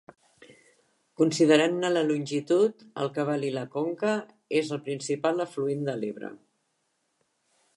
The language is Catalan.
Considerant-ne la longitud, el cabal i la conca, és el principal afluent de l'Ebre.